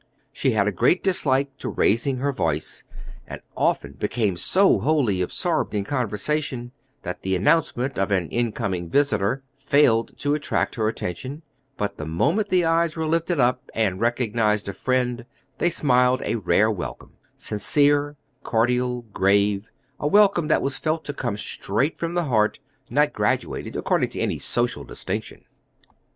She had a great dislike to raising her voice, and often became so wholly absorbed in conversation that the announcement of an in coming visitor failed to attract her attention; but the moment the eyes were lifted up, and recognized a friend, they smiled a rare welcome sincere, cordial, grave a welcome that was felt to come straight from the heart, not graduated according to any social distinction."